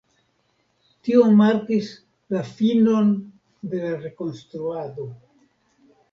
Tio markis la finon de la Rekonstruado.